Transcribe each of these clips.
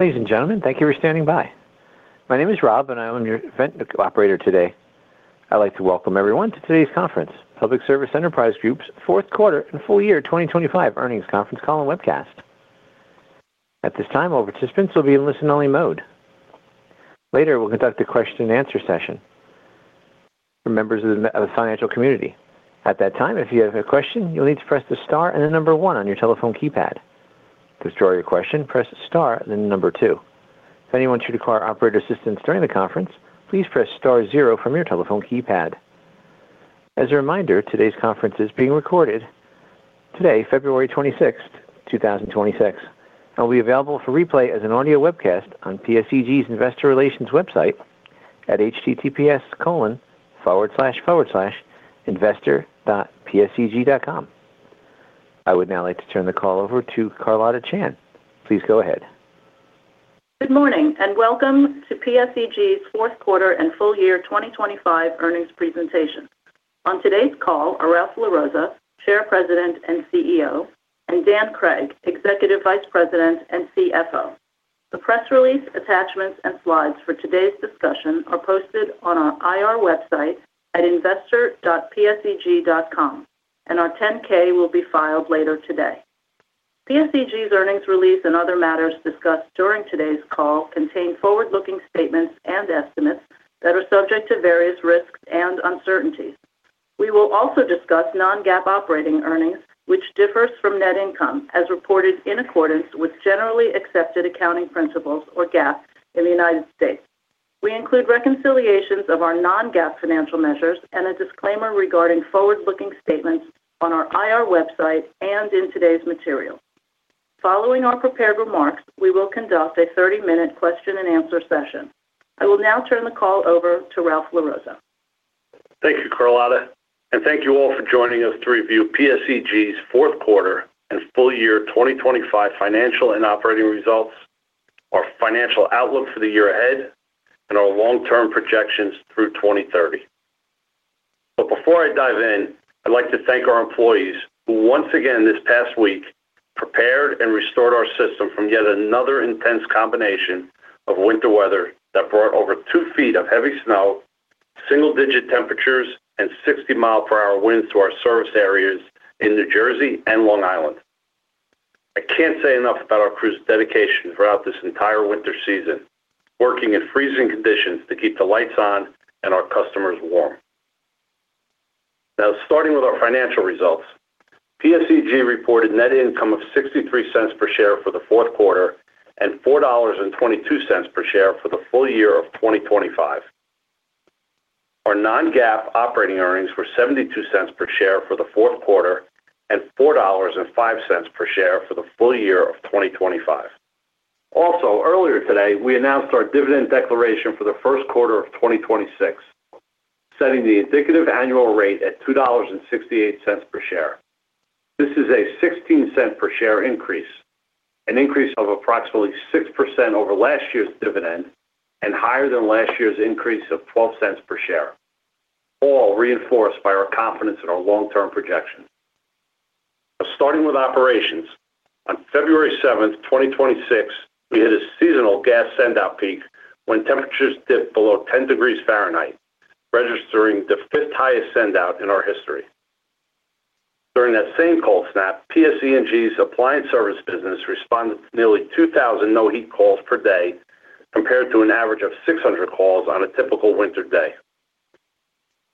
Ladies and gentlemen, thank you for standing by. My name is Rob, I am your event operator today. I'd like to welcome everyone to today's conference, Public Service Enterprise Group's fourth quarter and full year 2025 earnings conference call and webcast. At this time, all participants will be in listen-only mode. Later, we'll conduct a question and answer session for members of the financial community. At that time, if you have a question, you'll need to press the star and 1 on your telephone keypad. To withdraw your question, press star and then 2. If anyone should require operator assistance during the conference, please press star 0 from your telephone keypad. As a reminder, today's conference is being recorded today, February 26, 2026, and will be available for replay as an audio webcast on PSEG's Investor Relations website at https://investor.pseg.com. I would now like to turn the call over to Carlotta Chan. Please go ahead. Good morning, and welcome to PSEG's fourth quarter and full year 2025 earnings presentation. On today's call are Ralph LaRossa, Chair, President, and CEO, and Dan Cregg, Executive Vice President and CFO. The press release, attachments, and slides for today's discussion are posted on our IR website at investor.pseg.com, and our 10-K will be filed later today. PSEG's earnings release and other matters discussed during today's call contain forward-looking statements and estimates that are subject to various risks and uncertainties. We will also discuss non-GAAP operating earnings, which differs from net income, as reported in accordance with generally accepted accounting principles or GAAP in the United States. We include reconciliations of our non-GAAP financial measures and a disclaimer regarding forward-looking statements on our IR website and in today's material. Following our prepared remarks, we will conduct a 30-minute question and answer session. I will now turn the call over to Ralph LaRossa. Thank you, Carlotta, and thank you all for joining us to review PSEG's fourth quarter and full year 2025 financial and operating results, our financial outlook for the year ahead, and our long-term projections through 2030. Before I dive in, I'd like to thank our employees, who once again this past week, prepared and restored our system from yet another intense combination of winter weather that brought over 2ft of heavy snow, single-digit temperatures, and 60-mile-per-hour winds to our service areas in New Jersey and Long Island. I can't say enough about our crew's dedication throughout this entire winter season, working in freezing conditions to keep the lights on and our customers warm. Now, starting with our financial results, PSEG reported net income of $0.63 per share for the fourth quarter and $4.22 per share for the full year of 2025. Our non-GAAP operating earnings were $0.72 per share for the fourth quarter and $4.05 per share for the full year of 2025. Also, earlier today, we announced our dividend declaration for the first quarter of 2026, setting the indicative annual rate at $2.68 per share. This is a $0.16 per share increase, an increase of approximately 6% over last year's dividend and higher than last year's increase of $0.12 per share, all reinforced by our confidence in our long-term projections. Starting with operations, on February 7, 2026, we hit a seasonal gas sendout peak when temperatures dipped below 10 degrees Fahrenheit, registering the fifth-highest sendout in our history. During that same cold snap, PSEG's appliance service business responded to nearly 2,000 no heat calls per day, compared to an average of 600 calls on a typical winter day.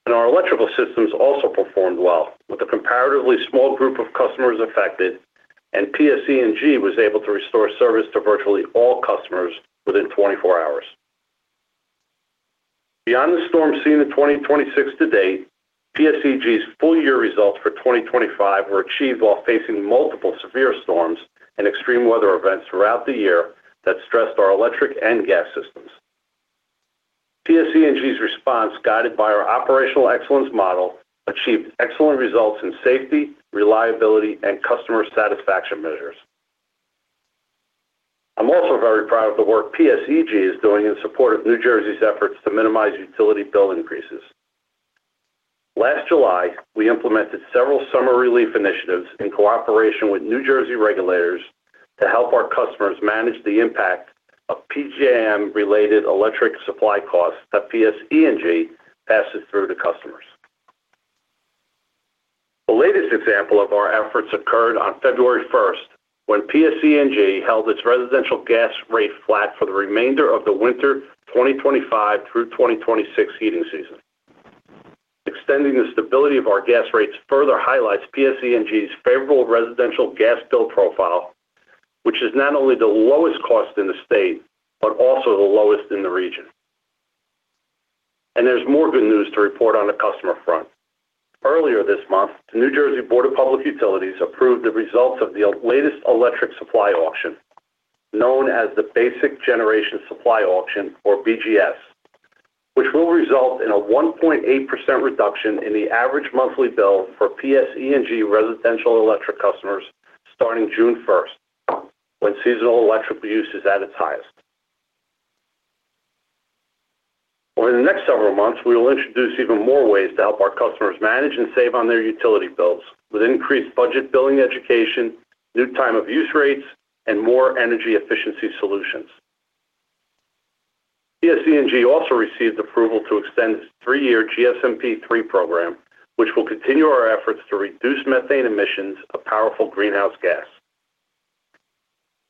Our electrical systems also performed well, with a comparatively small group of customers affected, and PSEG was able to restore service to virtually all customers within 24 hours. Beyond the storm seen in 2026 to date, PSEG's full year results for 2025 were achieved while facing multiple severe storms and extreme weather events throughout the year that stressed our electric and gas systems. PSEG's response, guided by our operational excellence model, achieved excellent results in safety, reliability, and customer satisfaction measures. I'm also very proud of the work PSEG is doing in support of New Jersey's efforts to minimize utility bill increases. Last July, we implemented several summer relief initiatives in cooperation with New Jersey regulators to help our customers manage the impact of PJM-related electric supply costs that PSEG passes through to customers. The latest example of our efforts occurred on February first, when PSEG held its residential gas rate flat for the remainder of the winter 2025 through 2026 heating season. Extending the stability of our gas rates further highlights PSEG's favorable residential gas bill profile, which is not only the lowest cost in the state, but also the lowest in the region. There's more good news to report on the customer front. Earlier this month, the New Jersey Board of Public Utilities approved the results of the latest electric supply auction, known as the Basic Generation Service auction, or BGS, which will result in a 1.8% reduction in the average monthly bill for PSEG residential electric customers starting June 1st, when seasonal electric use is at its highest. Over the next several months, we will introduce even more ways to help our customers manage and save on their utility bills, with increased budget billing education, new time of use rates, and more energy efficiency solutions. PSE&G also received approval to extend its three year GSMP III program, which will continue our efforts to reduce methane emissions of powerful greenhouse gas.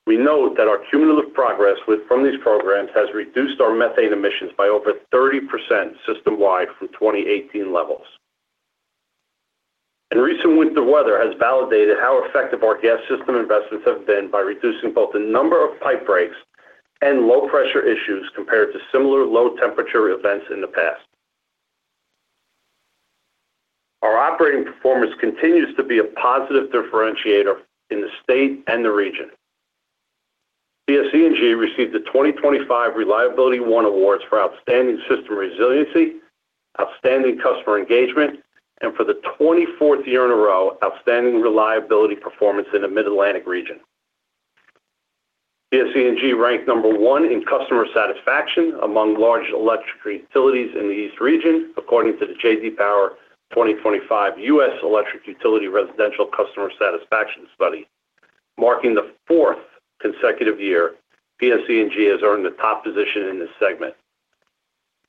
We note that our cumulative progress from these programs has reduced our methane emissions by over 30% system-wide from 2018 levels. Recent winter weather has validated how effective our gas system investments have been by reducing both the number of pipe breaks and low pressure issues compared to similar low temperature events in the past. Our operating performance continues to be a positive differentiator in the state and the region. PSE&G received the 2025 ReliabilityOne Awards for outstanding system resiliency, outstanding customer engagement, and for the 24th year in a row, outstanding reliability performance in the Mid-Atlantic region. PSE&G ranked 1 in customer satisfaction among large electric utilities in the East region, according to the J.D. Power 2025 U.S. Electric Utility Residential Customer Satisfaction Study, marking the 4th consecutive year PSE&G has earned the top position in this segment.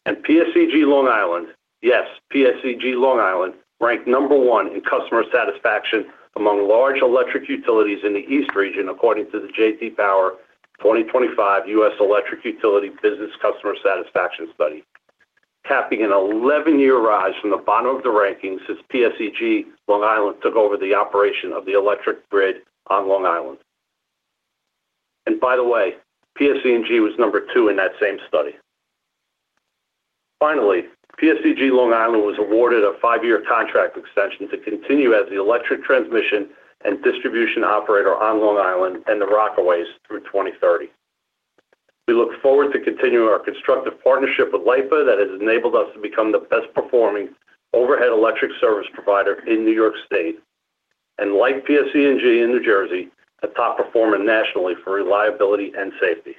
PSEG Long Island, yes, PSEG Long Island, ranked 1 in customer satisfaction among large electric utilities in the East region, according to the J.D. Power. 2025 U.S. Electric Utility Business Customer Satisfaction Study, capping an 11-year rise from the bottom of the rankings since PSEG Long Island took over the operation of the electric grid on Long Island. By the way, PSE&G was number 2 in that same study. Finally, PSEG Long Island was awarded a 5-year contract extension to continue as the electric transmission and distribution operator on Long Island and the Rockaways through 2030. We look forward to continuing our constructive partnership with LIPA that has enabled us to become the best performing overhead electric service provider in New York State, and like PSE&G in New Jersey, a top performer nationally for reliability and safety.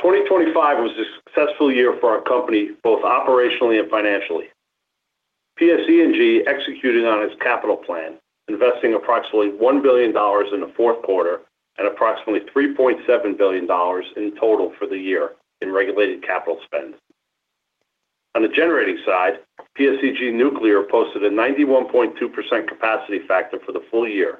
2025 was a successful year for our company, both operationally and financially. PSE&G executed on its capital plan, investing approximately $1 billion in the fourth quarter and approximately $3.7 billion in total for the year in regulated capital spend. On the generating side, PSEG Nuclear posted a 91.2% capacity factor for the full year,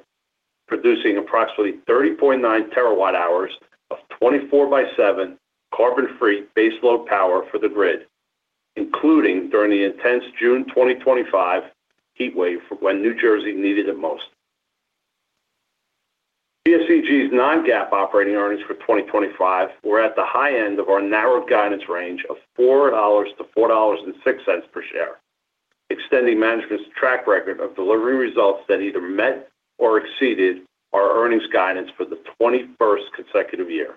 producing approximately 30.9 terawatt hours of 24/7 carbon-free baseload power for the grid, including during the intense June 2025 heatwave when New Jersey needed it most. PSEG's non-GAAP operating earnings for 2025 were at the high end of our narrowed guidance range of $4.00-$4.06 per share, extending management's track record of delivering results that either met or exceeded our earnings guidance for the 21st consecutive year.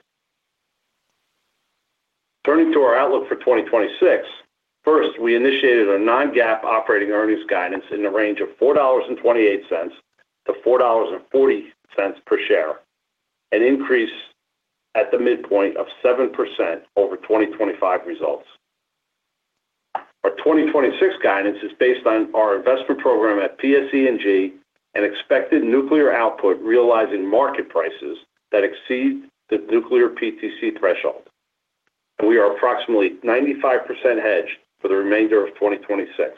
Turning to our outlook for 2026, first, we initiated a non-GAAP operating earnings guidance in the range of $4.28 to $4.40 per share, an increase at the midpoint of 7% over 2025 results. Our 2026 guidance is based on our investment program at PSE&G and expected nuclear output, realizing market prices that exceed the nuclear PTC threshold. We are approximately 95% hedged for the remainder of 2026.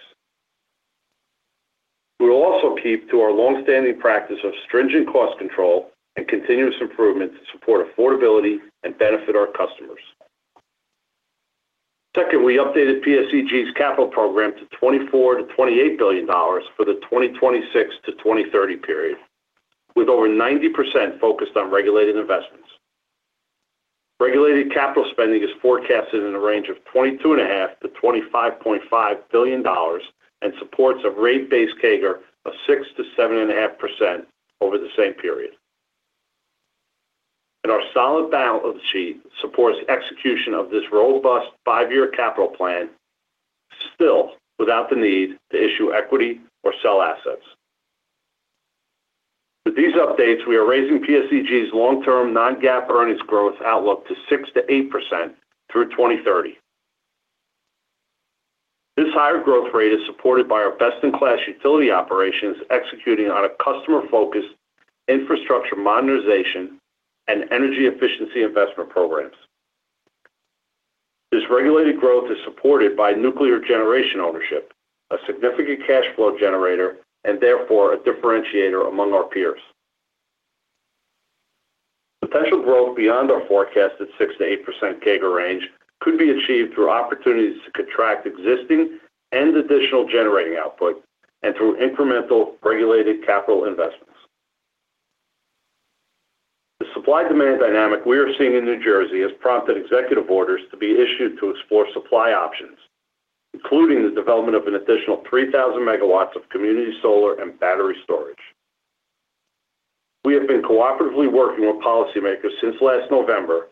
We will also keep to our long-standing practice of stringent cost control and continuous improvement to support affordability and benefit our customers. Second, we updated PSEG's capital program to $24 billion-$28 billion for the 2026-2030 period, with over 90% focused on regulated investments. Regulated capital spending is forecasted in a range of $22.5 billion-$25.5 billion and supports a rate-based CAGR of 6%-7.5% over the same period. Our solid balance of the sheet supports execution of this robust five-year capital plan, still without the need to issue equity or sell assets. With these updates, we are raising PSEG's long-term non-GAAP earnings growth outlook to 6%-8% through 2030. This higher growth rate is supported by our best-in-class utility operations, executing on a customer-focused infrastructure modernization and energy efficiency investment programs. This regulated growth is supported by nuclear generation ownership, a significant cash flow generator, and therefore a differentiator among our peers. Potential growth beyond our forecasted 6%-8% CAGR range could be achieved through opportunities to contract existing and additional generating output and through incremental regulated capital investments. The supply-demand dynamic we are seeing in New Jersey has prompted executive orders to be issued to explore supply options, including the development of an additional 3,000 megawatts of community solar and battery storage. We have been cooperatively working with policymakers since last November,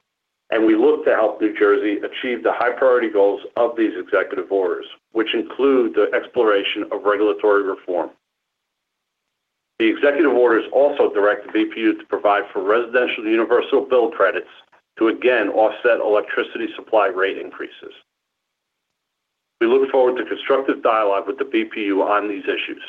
and we look to help New Jersey achieve the high priority goals of these executive orders, which include the exploration of regulatory reform.... The executive orders also direct the BPU to provide for residential universal bill credits to again offset electricity supply rate increases. We look forward to constructive dialogue with the BPU on these issues.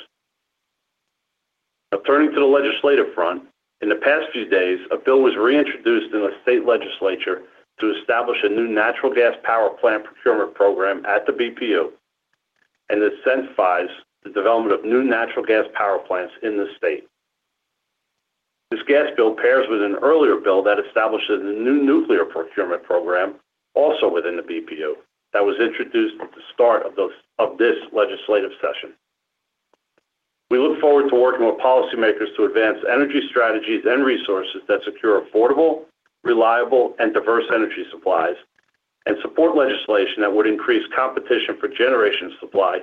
Now, turning to the legislative front, in the past few days, a bill was reintroduced in the state legislature to establish a new natural gas power plant procurement program at the BPU, and this incentivizes the development of new natural gas power plants in the state. This gas bill pairs with an earlier bill that establishes a new nuclear procurement program, also within the BPU, that was introduced at the start of this legislative session. We look forward to working with policymakers to advance energy strategies and resources that secure affordable, reliable, and diverse energy supplies and support legislation that would increase competition for generation supply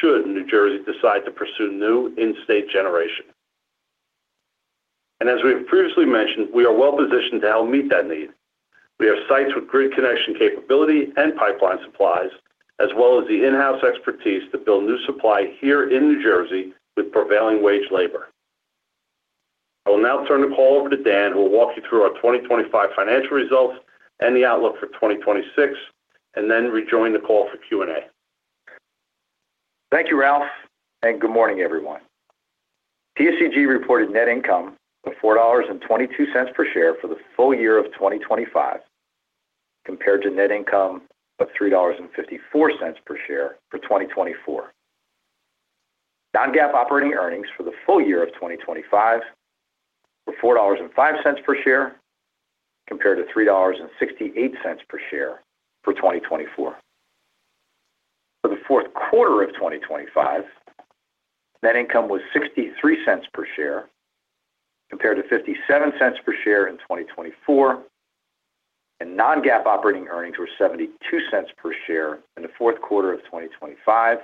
should New Jersey decide to pursue new in-state generation. As we have previously mentioned, we are well-positioned to help meet that need. We have sites with grid connection capability and pipeline supplies, as well as the in-house expertise to build new supply here in New Jersey with prevailing wage labor. I will now turn the call over to Dan, who will walk you through our 2025 financial results and the outlook for 2026, and then rejoin the call for Q&A. Thank you, Ralph. Good morning, everyone. PSEG reported net income of $4.22 per share for the full year of 2025, compared to net income of $3.54 per share for 2024. Non-GAAP operating earnings for the full year of 2025 were $4.05 per share, compared to $3.68 per share for 2024. For the fourth quarter of 2025, net income was $0.63 per share, compared to $0.57 per share in 2024, and non-GAAP operating earnings were $0.72 per share in the fourth quarter of 2025,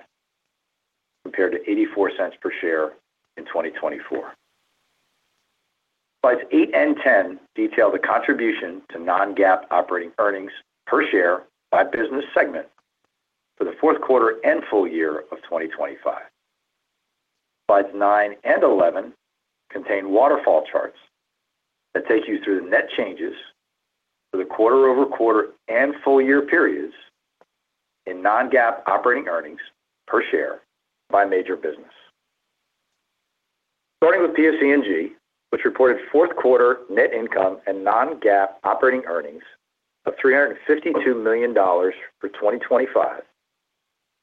compared to $0.84 per share in 2024. Slides 8 and 10 detail the contribution to non-GAAP operating earnings per share by business segment for the fourth quarter and full year of 2025. Slides 9 and 11 contain waterfall charts that take you through the net changes for the quarter-over-quarter and full year periods in non-GAAP operating earnings per share by major business. Starting with PSE&G, which reported fourth quarter net income and non-GAAP operating earnings of $352 million for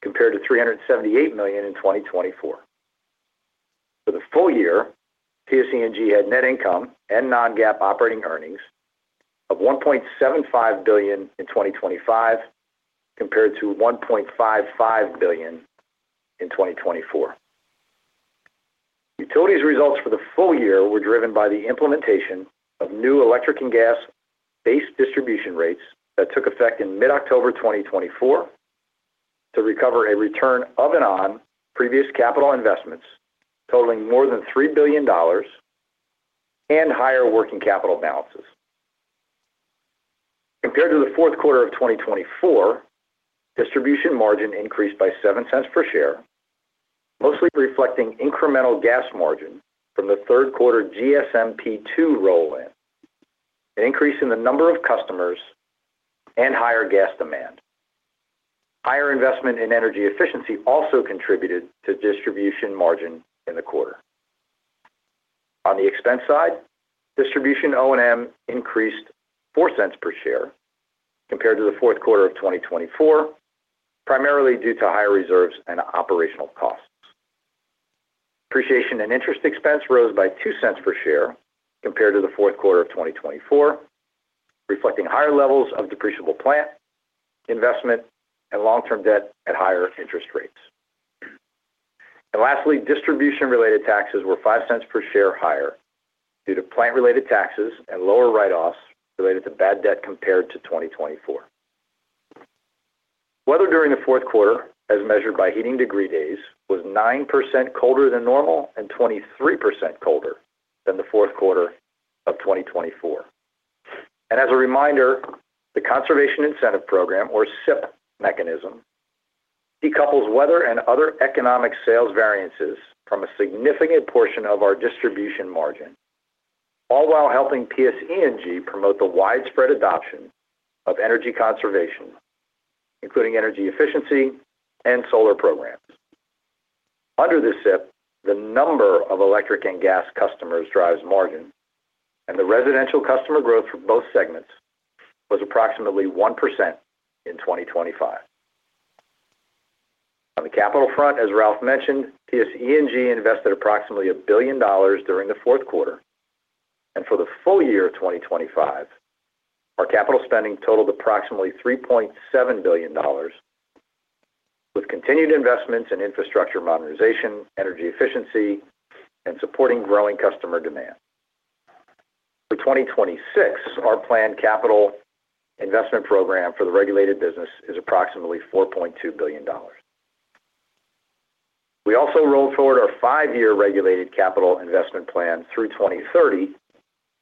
2025, compared to $378 million in 2024. For the full year, PSE&G had net income and non-GAAP operating earnings of $1.75 billion in 2025, compared to $1.55 billion in 2024. Utilities results for the full year were driven by the implementation of new electric and gas-based distribution rates that took effect in mid-October 2024 to recover a return of and on previous capital investments, totaling more than $3 billion and higher working capital balances. Compared to the fourth quarter of 2024, distribution margin increased by $0.07 per share, mostly reflecting incremental gas margin from the third quarter GSMP2 roll-in, an increase in the number of customers, and higher gas demand. Higher investment in energy efficiency also contributed to distribution margin in the quarter. On the expense side, distribution O&M increased $0.04 per share compared to the fourth quarter of 2024, primarily due to higher reserves and operational costs. Depreciation and interest expense rose by $0.02 per share compared to the fourth quarter of 2024, reflecting higher levels of depreciable plant investment and long-term debt at higher interest rates. Lastly, distribution-related taxes were $0.05 per share higher due to plant-related taxes and lower write-offs related to bad debt compared to 2024. Weather during the fourth quarter, as measured by heating degree days, was 9% colder than normal and 23% colder than the fourth quarter of 2024. As a reminder, the Conservation Incentive Program, or CIP mechanism, decouples weather and other economic sales variances from a significant portion of our distribution margin, all while helping PSE&G promote the widespread adoption of energy conservation, including energy efficiency and solar programs. Under the CIP, the number of electric and gas customers drives margin. The residential customer growth for both segments was approximately 1% in 2025. On the capital front, as Ralph mentioned, PSE&G invested approximately $1 billion during the fourth quarter. For the full year of 2025, our capital spending totaled approximately $3.7 billion, with continued investments in infrastructure modernization, energy efficiency, and supporting growing customer demand. For 2026, our planned capital investment program for the regulated business is approximately $4.2 billion. We also rolled forward our five-year regulated capital investment plan through 2030,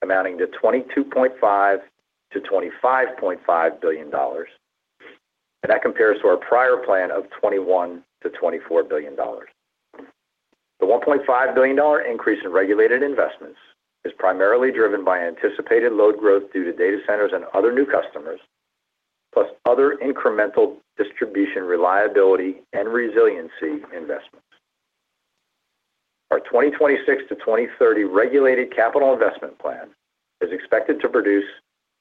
amounting to $22.5 billion-$25.5 billion. That compares to our prior plan of $21 billion-$24 billion. The $1.5 billion increase in regulated investments is primarily driven by anticipated load growth due to data centers and other new customers, plus other incremental distribution, reliability, and resiliency investments. Our 2026-2030 regulated capital investment plan is expected to produce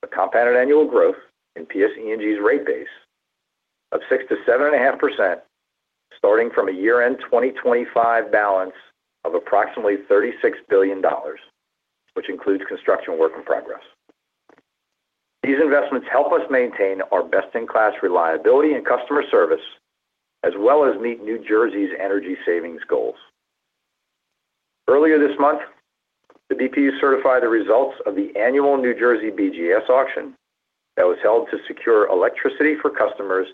a compounded annual growth in PSEG's rate base of 6%-7.5%, starting from a year-end 2025 balance of approximately $36 billion, which includes construction work in progress. These investments help us maintain our best-in-class reliability and customer service, as well as meet New Jersey's energy savings goals. Earlier this month, the BPU certified the results of the annual New Jersey BGS auction that was held to secure electricity for customers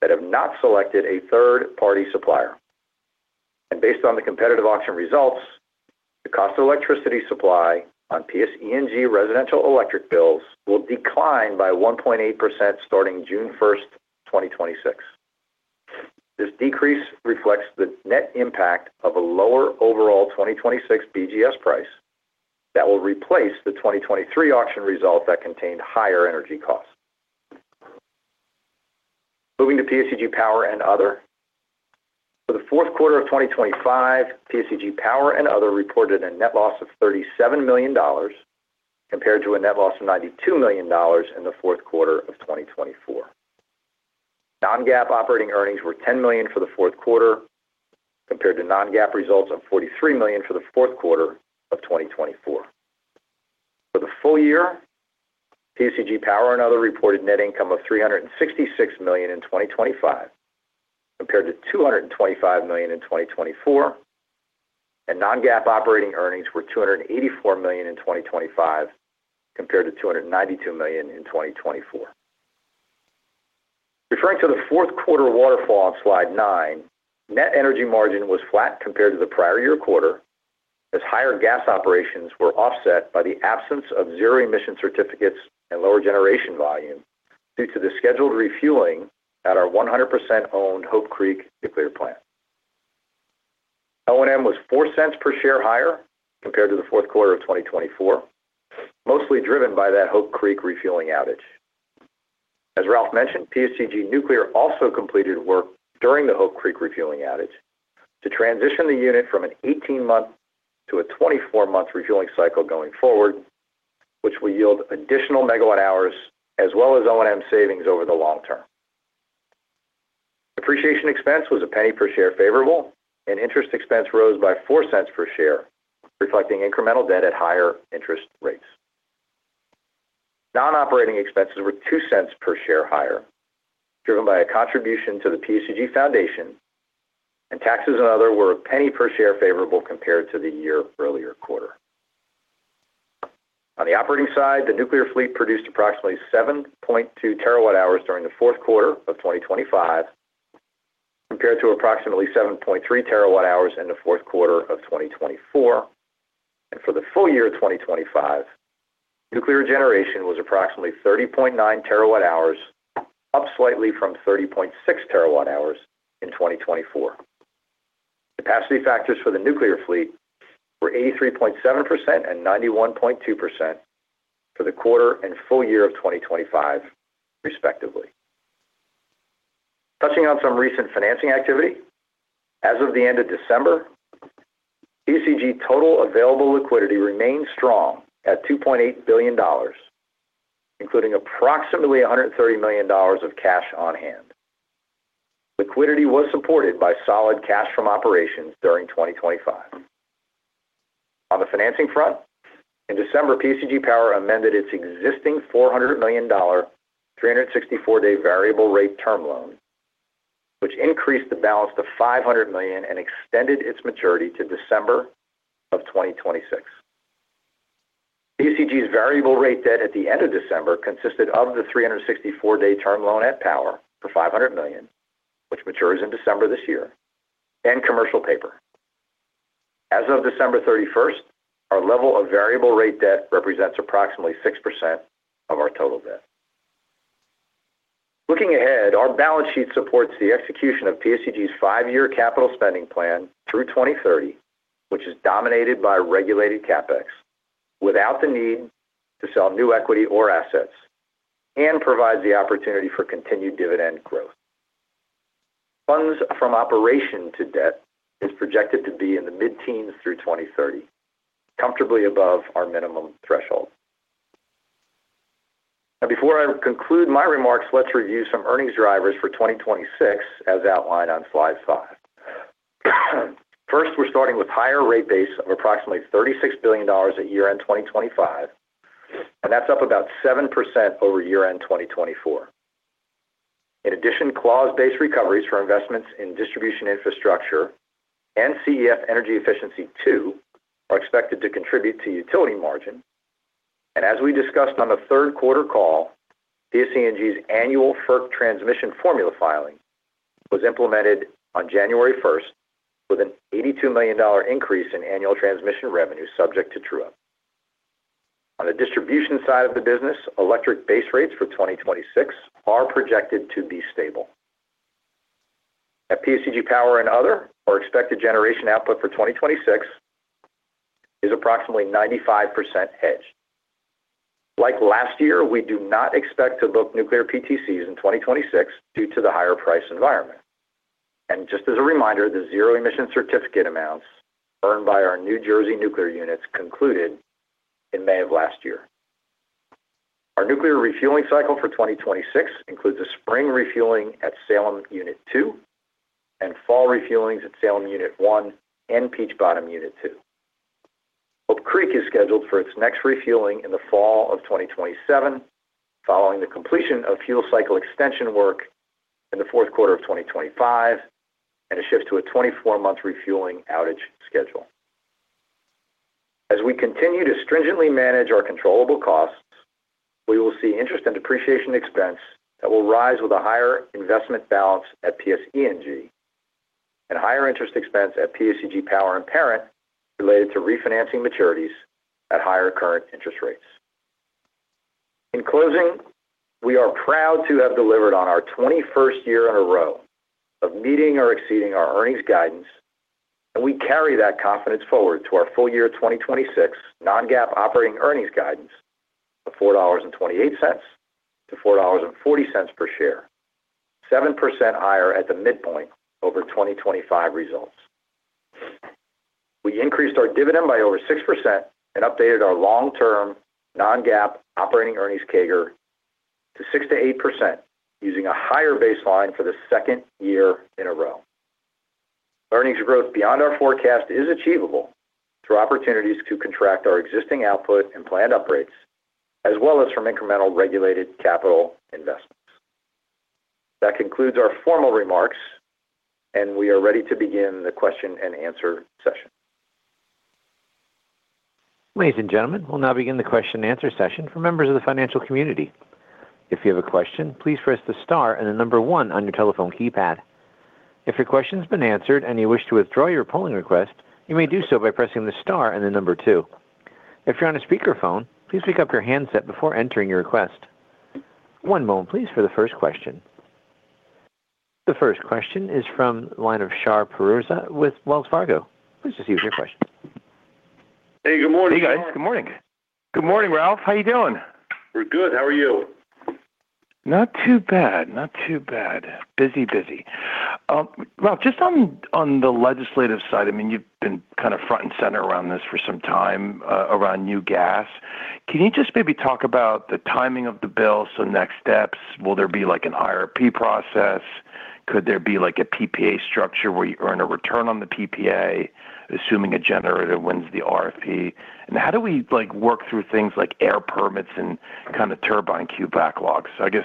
that have not selected a third-party supplier. Based on the competitive auction results, the cost of electricity supply on PSEG residential electric bills will decline by 1.8% starting June 1st, 2026. This decrease reflects the net impact of a lower overall 2026 BGS price that will replace the 2023 auction result that contained higher energy costs. Moving to PSEG Power and Other. For the fourth quarter of 2025, PSEG Power and Other reported a net loss of $37 million, compared to a net loss of $92 million in the fourth quarter of 2024. Non-GAAP operating earnings were $10 million for the fourth quarter, compared to non-GAAP results of $43 million for the fourth quarter of 2024. For the full year, PSEG Power and Other reported net income of $366 million in 2025, compared to $225 million in 2024. Non-GAAP operating earnings were $284 million in 2025, compared to $292 million in 2024. Referring to the fourth quarter waterfall on slide 9, net energy margin was flat compared to the prior year quarter, as higher gas operations were offset by the absence of Zero Emission Certificates and lower generation volume due to the scheduled refueling at our 100% owned Hope Creek Nuclear Plant. O&M was $0.04 per share higher compared to the fourth quarter of 2024, mostly driven by that Hope Creek refueling outage. As Ralph mentioned, PSEG Nuclear also completed work during the Hope Creek refueling outage to transition the unit from an 18-month to a 24-month refueling cycle going forward, which will yield additional megawatt hours as well as O&M savings over the long term. Depreciation expense was a $0.01 per share favorable, and interest expense rose by $0.04 per share, reflecting incremental debt at higher interest rates. Non-operating expenses were $0.02 per share higher, driven by a contribution to the PSEG Foundation, and taxes and other were a $0.01 per share favorable compared to the year earlier quarter. On the operating side, the nuclear fleet produced approximately 7.2 TWh during the fourth quarter of 2025, compared to approximately 7.3 TWh in the fourth quarter of 2024. For the full year of 2025, nuclear generation was approximately 30.9 TWh, up slightly from 30.6 TWh in 2024. Capacity factors for the nuclear fleet were 83.7% and 91.2% for the quarter and full year of 2025, respectively. Touching on some recent financing activity. As of the end of December, PSEG total available liquidity remained strong at $2.8 billion, including approximately $130 million of cash on hand. Liquidity was supported by solid cash from operations during 2025. On the financing front, in December, PSEG Power amended its existing $400 million, 364-day variable rate term loan, which increased the balance to $500 million and extended its maturity to December of 2026. PSEG's variable rate debt at the end of December consisted of the 364-day term loan at Power for $500 million, which matures in December this year, and commercial paper. As of December 31st, our level of variable rate debt represents approximately 6% of our total debt. Looking ahead, our balance sheet supports the execution of PSEG's 5-year capital spending plan through 2030, which is dominated by regulated CapEx, without the need to sell new equity or assets, and provides the opportunity for continued dividend growth. Funds from operation to debt is projected to be in the mid-teens through 2030, comfortably above our minimum threshold. Now, before I conclude my remarks, let's review some earnings drivers for 2026, as outlined on slide 5. First, we're starting with higher rate base of approximately $36 billion at year-end 2025, and that's up about 7% over year-end 2024. In addition, clause-based recoveries for investments in distribution, infrastructure, and CEF Energy Efficiency II are expected to contribute to utility margin. As we discussed on the third quarter call, PSE&G's annual FERC transmission formula filing was implemented on January 1st, with an $82 million increase in annual transmission revenue subject to true-up. On the distribution side of the business, electric base rates for 2026 are projected to be stable. At PSEG Power and other, our expected generation output for 2026 is approximately 95% hedged. Like last year, we do not expect to book nuclear PTCs in 2026 due to the higher price environment. Just as a reminder, the Zero Emission Certificates amounts earned by our New Jersey nuclear units concluded in May of last year. Our nuclear refueling cycle for 2026 includes a spring refueling at Salem Unit 2 and fall refuelings at Salem Unit 1 and Peach Bottom Unit 2. Hope Creek is scheduled for its next refueling in the fall of 2027, following the completion of fuel cycle extension work in the fourth quarter of 2025 and a shift to a 24-month refueling outage schedule. As we continue to stringently manage our controllable costs, we will see interest and depreciation expense that will rise with a higher investment balance at PSE&G and higher interest expense at PSEG Power and Parent related to refinancing maturities at higher current interest rates. In closing, we are proud to have delivered on our 21st year in a row of meeting or exceeding our earnings guidance, and we carry that confidence forward to our full year 2026 non-GAAP operating earnings guidance of $4.28-$4.40 per share, 7% higher at the midpoint over 2025 results. We increased our dividend by over 6% and updated our long-term non-GAAP operating earnings CAGR to 6%-8%, using a higher baseline for the second year in a row. Earnings growth beyond our forecast is achievable through opportunities to contract our existing output and planned upgrades, as well as from incremental regulated capital investments. That concludes our formal remarks. We are ready to begin the question and answer session. Ladies and gentlemen, we'll now begin the question and answer session for members of the financial community. If you have a question, please press the star and the 1 on your telephone keypad. If your question's been answered and you wish to withdraw your polling request, you may do so by pressing the star and the 2. If you're on a speakerphone, please pick up your handset before entering your request. One moment, please, for the first question. The first question is from the line of Shar Pourreza with Wells Fargo. Please just use your question. Hey, good morning. Good morning, Ralph. How you doing? We're good. How are you? Not too bad. Not too bad. Busy, busy. Ralph, just on the legislative side, I mean, you've been kind of front and center around this for some time, around new gas. Can you just maybe talk about the timing of the bill, so next steps, will there be like an IRP process? Could there be like a PPA structure where you earn a return on the PPA, assuming a generator wins the RFP? How do we, like, work through things like air permits and kind of turbine queue backlogs? I guess,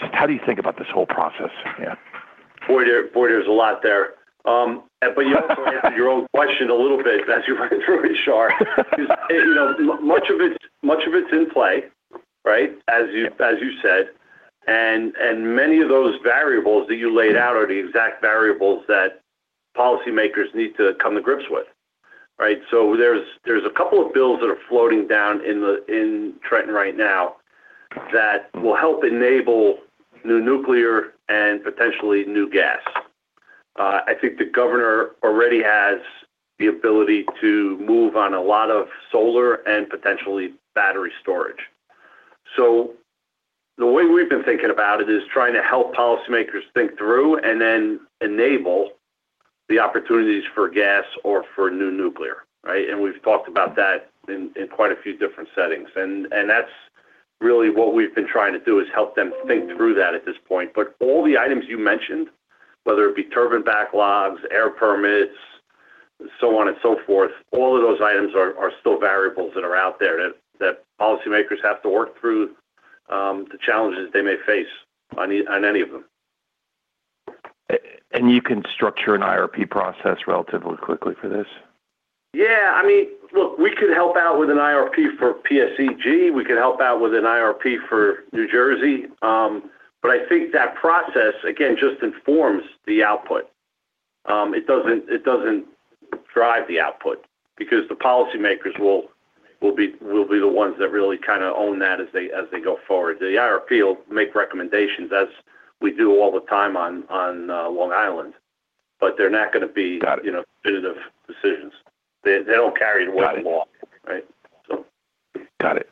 just how do you think about this whole process? Boy, there's a lot there. You also answered your own question a little bit as you run through it, Shar. You know, much of it's in play, right? As you said, many of those variables that you laid out are the exact variables that policymakers need to come to grips with, right? There's a couple of bills that are floating down in Trenton right now that will help enable new nuclear and potentially new gas. I think the governor already has the ability to move on a lot of solar and potentially battery storage. The way we've been thinking about it is trying to help policymakers think through and then enable the opportunities for gas or for new nuclear, right? We've talked about that in quite a few different settings, and that's really what we've been trying to do, is help them think through that at this point. All the items you mentioned, whether it be turbine backlogs, air permits, so on and so forth, all of those items are still variables that are out there that policymakers have to work through, the challenges they may face on any of them. You can structure an IRP process relatively quickly for this? Yeah. I mean, look, we could help out with an IRP for PSEG. We could help out with an IRP for New Jersey. I think that process, again, just informs the output. It doesn't drive the output because the policymakers will be the ones that really kind of own that as they go forward. The IRP will make recommendations, as we do all the time on Long Island, they're not going to be. Got it. You know, definitive decisions. They don't carry the weight of the law, right? Got it.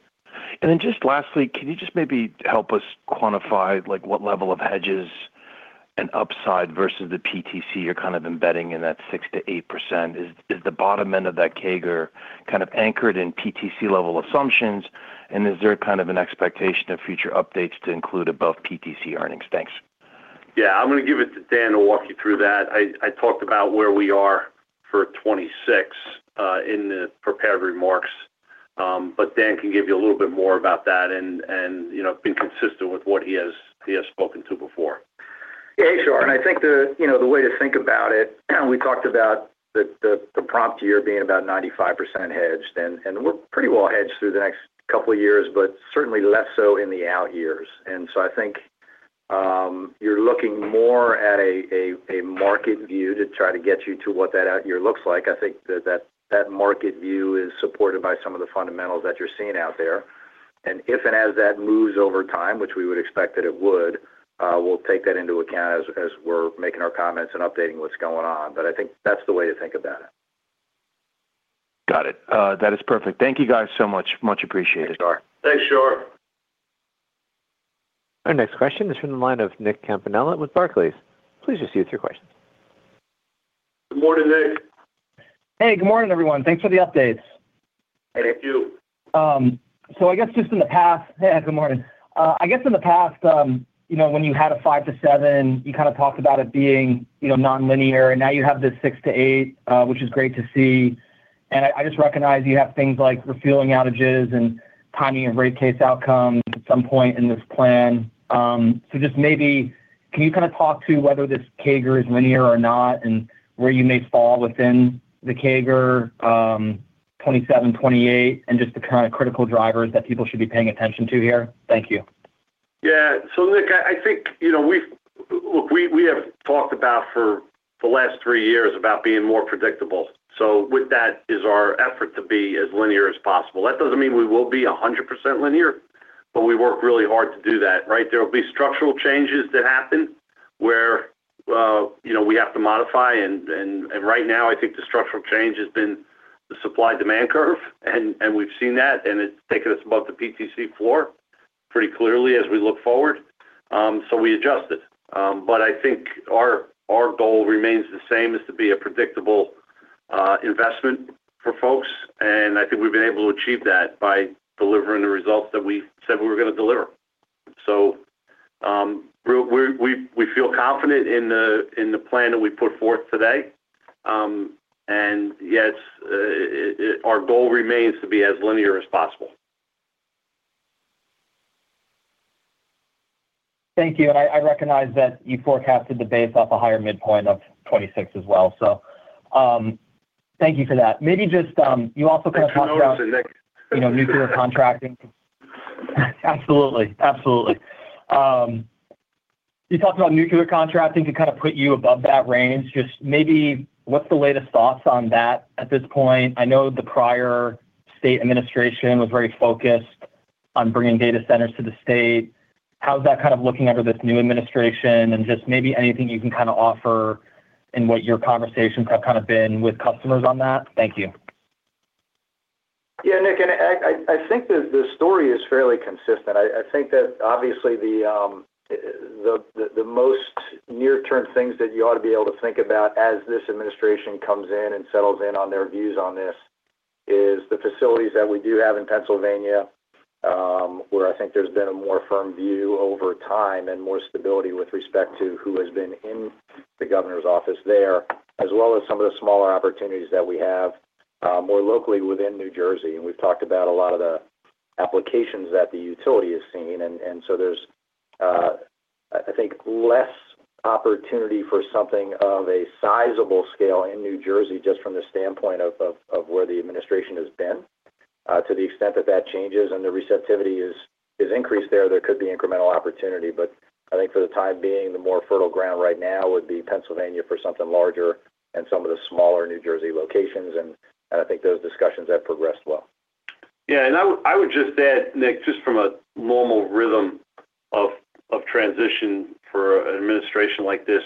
Then just lastly, can you just maybe help us quantify, like, what level of hedges and upside versus the PTC you're kind of embedding in that 6%-8%? Is the bottom end of that CAGR kind of anchored in PTC level assumptions? Is there kind of an expectation of future updates to include above PTC earnings? Thanks. Yeah. I'm going to give it to Dan to walk you through that. I talked about where we are for 26, in the prepared remarks, but Dan can give you a little bit more about that and, you know, being consistent with what he has spoken to before. Yeah, sure. I think the, you know, the way to think about it, we talked about the prompt year being about 95% hedged, and we're pretty well hedged through the next couple of years, but certainly less so in the out years. You're looking more at a market view to try to get you to what that out year looks like. I think that market view is supported by some of the fundamentals that you're seeing out there. If and as that moves over time, which we would expect that it would, we'll take that into account as we're making our comments and updating what's going on. I think that's the way to think about it. Got it. That is perfect. Thank you guys so much. Much appreciated. Thanks, Shar. Our next question is from the line of Nick Campanella with Barclays. Please just use your question. Good morning, Nick. Hey, good morning, everyone. Thanks for the updates. Hey, thank you. I guess in the past, you know, when you had a 5%-7%, you kind of talked about it being, you know, nonlinear, and now you have this 6%-8%, which is great to see. I just recognize you have things like refueling outages and timing of rate case outcomes at some point in this plan. Just maybe, can you kind of talk to whether this CAGR is linear or not, and where you may fall within the CAGR, 2027, 2028, and just the kind of critical drivers that people should be paying attention to here? Thank you. Yeah. Nick, I think, you know, we have talked about for the last 3 years about being more predictable. With that is our effort to be as linear as possible. That doesn't mean we will be 100% linear, but we work really hard to do that, right? There will be structural changes that happen where, you know, we have to modify, and right now, I think the structural change has been the supply-demand curve, and we've seen that, and it's taken us above the PTC floor pretty clearly as we look forward. We adjusted. I think our goal remains the same, is to be a predictable investment for folks, and I think we've been able to achieve that by delivering the results that we said we were going to deliver. We feel confident in the plan that we put forth today. Yes, our goal remains to be as linear as possible. Thank you. I recognize that you forecasted the base off a higher midpoint of 26 as well. Thank you for that. Maybe just, you also can talk about Thanks for noticing, Nick. - you know, nuclear contracting. Absolutely. Absolutely. You talked about nuclear contracting to kind of put you above that range. Just maybe what's the latest thoughts on that at this point? I know the prior state administration was very focused on bringing data centers to the state. How is that kind of looking under this new administration? Just maybe anything you can kind of offer in what your conversations have kind of been with customers on that? Thank you. Yeah, Nick, and I think the story is fairly consistent. I think that obviously, the most near-term things that you ought to be able to think about as this administration comes in and settles in on their views on this, is the facilities that we do have in Pennsylvania, where I think there's been a more firm view over time and more stability with respect to who has been in the governor's office there, as well as some of the smaller opportunities that we have, more locally within New Jersey. We've talked about a lot of the applications that the utility is seeing, and so there's, I think, less opportunity for something of a sizable scale in New Jersey just from the standpoint of where the administration has been. To the extent that that changes and the receptivity is increased there could be incremental opportunity. I think for the time being, the more fertile ground right now would be Pennsylvania for something larger and some of the smaller New Jersey locations, and I think those discussions have progressed well. Yeah, I would just add, Nick, just from a normal rhythm of transition for an administration like this,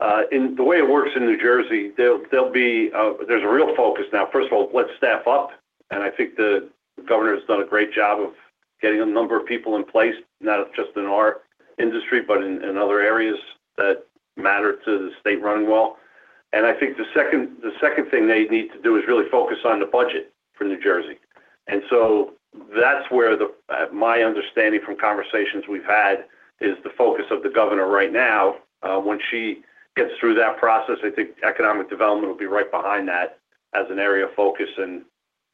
and the way it works in New Jersey, there'll be a real focus now. First of all, let's staff up, and I think the governor has done a great job of getting a number of people in place, not just in our industry, but in other areas that matter to the state running well. I think the second thing they need to do is really focus on the budget for New Jersey. That's where the, my understanding from conversations we've had is the focus of the governor right now. When she gets through that process, I think economic development will be right behind that as an area of focus. You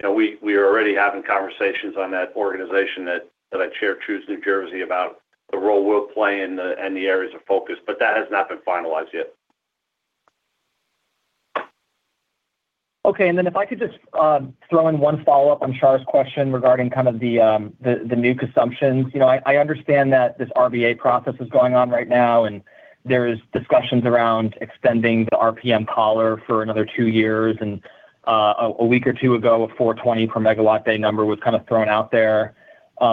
know, we are already having conversations on that organization that I chair, Choose New Jersey, about the role we'll play and the areas of focus, but that has not been finalized yet. If I could just throw in one follow-up on Shar's question regarding kind of the nuke assumptions. You know, I understand that this RBA process is going on right now, and there is discussions around extending the RPM collar for another 2 years. A week or 2 ago, a 420 per megawatt day number was kind of thrown out there.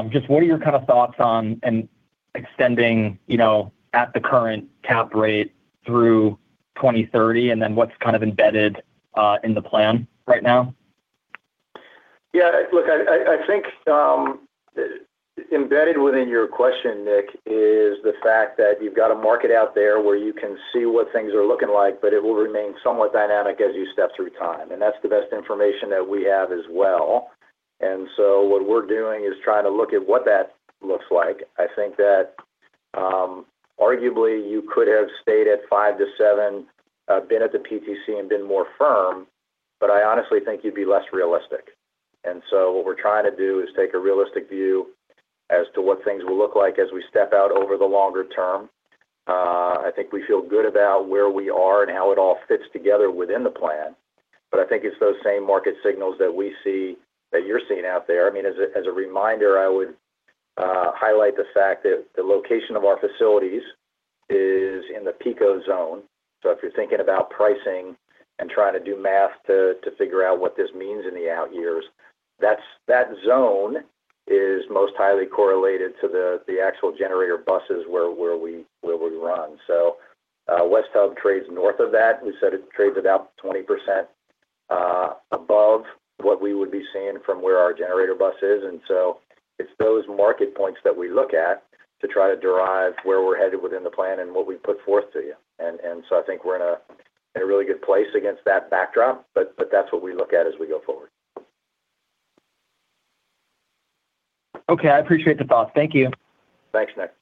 Just what are your kind of thoughts on extending, you know, at the current cap rate through 2030, and then what's kind of embedded in the plan right now? Yeah, look, I think, embedded within your question, Nick, is the fact that you've got a market out there where you can see what things are looking like, but it will remain somewhat dynamic as you step through time, and that's the best information that we have as well. What we're doing is trying to look at what that looks like. I think that, arguably, you could have stayed at 5 to 7, been at the PTC and been more firm, but I honestly think you'd be less realistic. What we're trying to do is take a realistic view as to what things will look like as we step out over the longer term. I think we feel good about where we are and how it all fits together within the plan. I think it's those same market signals that we see, that you're seeing out there. I mean, as a reminder, I would highlight the fact that the location of our facilities is in the PSEG zone. If you're thinking about pricing and trying to do math to figure out what this means in the out years, that zone is most highly correlated to the actual generator buses, where we run. West Hub trades north of that. We said it trades about 20% above what we would be seeing from where our generator bus is. It's those market points that we look at to try to derive where we're headed within the plan and what we put forth to you. I think we're in a really good place against that backdrop, but that's what we look at as we go forward. Okay. I appreciate the thought. Thank you. Thanks, Nick.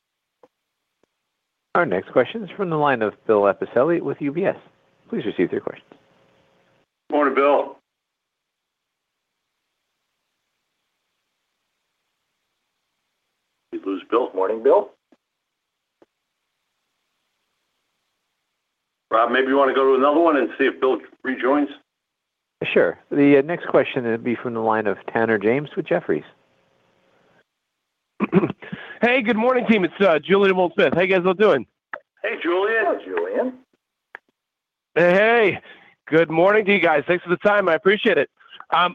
Our next question is from the line of Bill Appicelli with UBS. Please receive your questions. Morning, Bill. Did we lose Bill? Morning, Bill. Rob, maybe you want to go to another one and see if Bill rejoins? Sure. The next question will be from the line of Tanner James, with Jefferies. Hey, good morning, team. It's Julian Dumoulin-Smith. How you guys all doing? Hey, Julian. Hello, Julian. Hey, hey. Good morning to you guys. Thanks for the time. I appreciate it.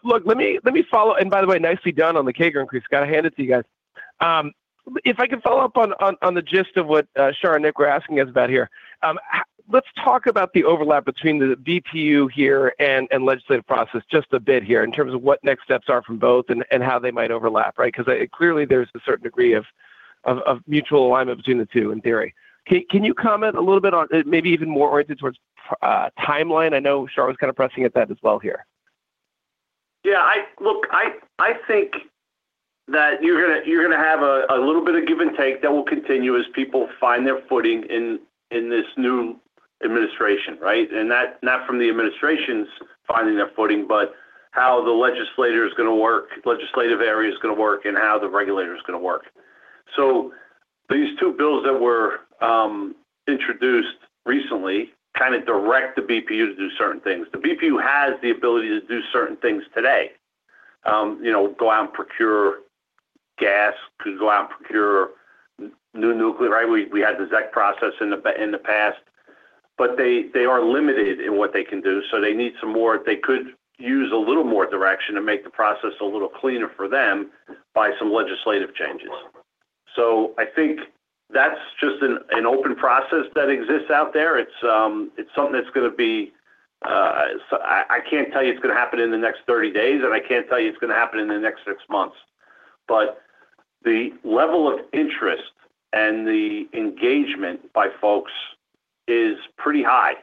Look, let me follow. By the way, nicely done on the CAGR increase. Got to hand it to you guys. If I could follow up on the gist of what Shar and Nick were asking us about here. Let's talk about the overlap between the BPU here and legislative process just a bit here, in terms of what next steps are from both and how they might overlap, right? Clearly there's a certain degree of mutual alignment between the two in theory. Can you comment a little bit on, maybe even more oriented towards timeline? I know Shar was kind of pressing at that as well here. Yeah, I think that you're gonna have a little bit of give and take that will continue as people find their footing in this new administration, right? Not from the administration's finding their footing, but how the legislator is going to work, legislative area is going to work, and how the regulator is going to work. These 2 bills that were introduced recently, kind of direct the BPU to do certain things. The BPU has the ability to do certain things today. You know, go out and procure gas, to go out and procure new nuclear, right? We had the ZEC process in the past, but they are limited in what they can do, they could use a little more direction to make the process a little cleaner for them by some legislative changes. I think that's just an open process that exists out there. I can't tell you it's going to happen in the next 30 days, and I can't tell you it's going to happen in the next 6 months. The level of interest and the engagement by folks is pretty high,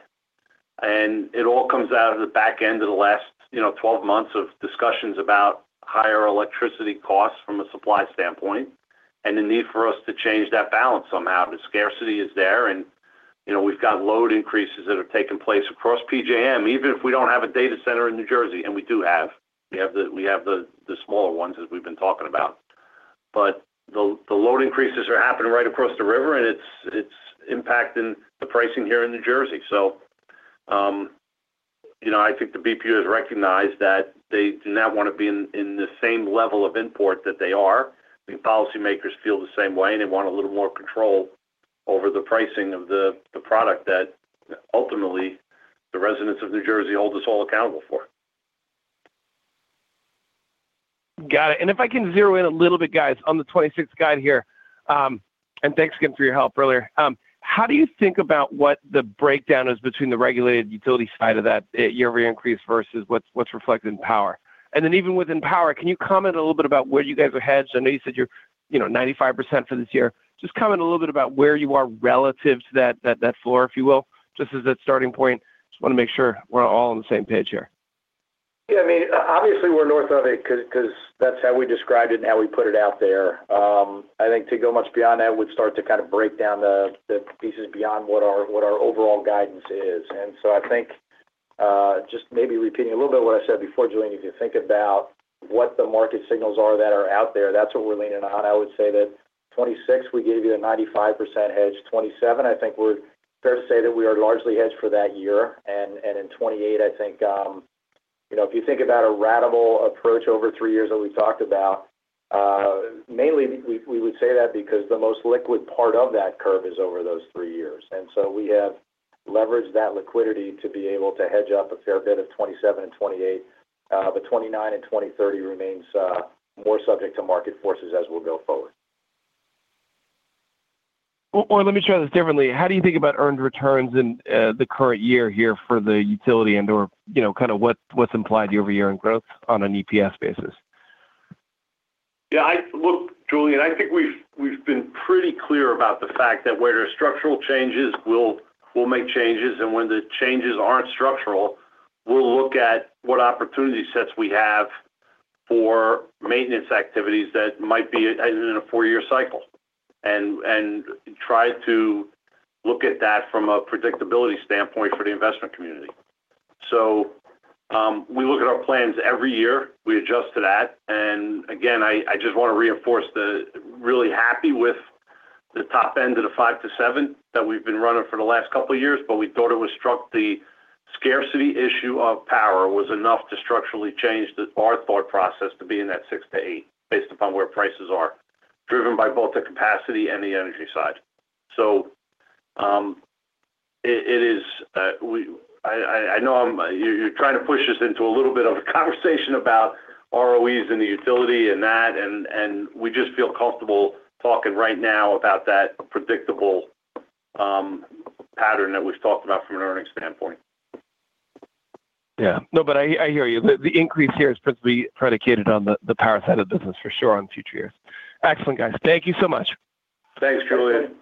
it all comes out of the back end of the last, you know, 12 months of discussions about higher electricity costs from a supply standpoint, the need for us to change that balance somehow. The scarcity is there, you know, we've got load increases that have taken place across PJM, even if we don't have a data center in New Jersey, and we do have. We have the smaller ones, as we've been talking about. The load increases are happening right across the river, and it's impacting the pricing here in New Jersey. You know, I think the BPU has recognized that they do not want to be in the same level of import that they are. The policymakers feel the same way, and they want a little more control over the pricing of the product that ultimately the residents of New Jersey hold us all accountable for. Got it. If I can zero in a little bit, guys, on the 26 guide here, and thanks again for your help earlier. How do you think about what the breakdown is between the regulated utility side of that, year-over-year increase versus what's reflected in power? Even within power, can you comment a little bit about where you guys are hedged? I know you said you're, you know, 95% for this year. Just comment a little bit about where you are relative to that floor, if you will, just as a starting point. Just want to make sure we're all on the same page here. Yeah, I mean, obviously, we're north of it because that's how we described it and how we put it out there. I think to go much beyond that would start to kind of break down the pieces beyond what our, what our overall guidance is. I think, just maybe repeating a little bit what I said before, Julian, if you think about what the market signals are that are out there, that's what we're leaning on. I would say that 26, we gave you a 95% hedge. 27, I think we're fair to say that we are largely hedged for that year. In 2028, I think, you know, if you think about a ratable approach over 3 years that we talked about, mainly we would say that because the most liquid part of that curve is over those 3 years. We have leveraged that liquidity to be able to hedge up a fair bit of 2027 and 2028, 2029 and 2030 remains more subject to market forces as we go forward. Well, let me try this differently. How do you think about earned returns in the current year here for the utility and/or, you know, kind of what's implied year-over-year in growth on an EPS basis? Yeah, I. Look, Julian, I think we've been pretty clear about the fact that where there are structural changes, we'll make changes, and when the changes aren't structural, we'll look at what opportunity sets we have for maintenance activities that might be in a 4-year cycle, and try to look at that from a predictability standpoint for the investment community. We look at our plans every year, we adjust to that. Again, I just want to reinforce the, really happy with the top end of the 5 to 7 that we've been running for the last couple of years, but we thought it was struck the scarcity issue of power was enough to structurally change our thought process to be in that 6 to 8, based upon where prices are driven by both the capacity and the energy side. It is, I know I'm, you're trying to push us into a little bit of a conversation about ROEs and the utility and that, and we just feel comfortable talking right now about that predictable, pattern that we've talked about from an earnings standpoint. Yeah. No, I hear you. The, the increase here is principally predicated on the power side of the business for sure on future years. Excellent, guys. Thank you so much. Thanks, Julian.